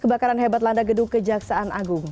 kebakaran hebat landa gedung kejaksaan agung